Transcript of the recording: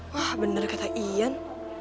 wah bener kata ian